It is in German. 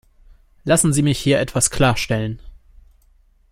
Lassen Sie mich hier etwas klarstellen.